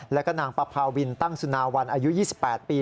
แล้วก็นางปภาวินตั้งสุนาวันอายุ๒๘ปี